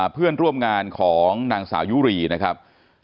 เพื่อนร่วมงานของนางสาวยุรีนะครับ